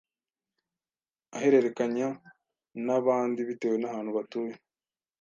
ahererekanya n’abandi bitewe n’ahantu batuye,